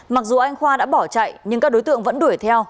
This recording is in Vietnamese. mặc dù anh khoa đã bỏ chạy nhưng các đối tượng vẫn đuổi theo